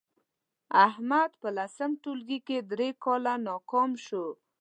احمد په لسم ټولگي کې درې کاله ناکام شو